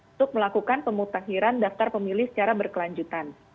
untuk melakukan pemutakhiran daftar pemilih secara berkelanjutan